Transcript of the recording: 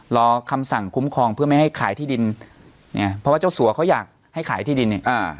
รอคำสั่งคุ้มครองเพื่อไม่ให้ขายที่ดินเนี่ยเพราะว่าเจ้าสัวเขาอยากให้ขายที่ดินเนี่ยอ่า